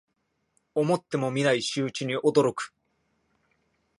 思ってもみない仕打ちに驚く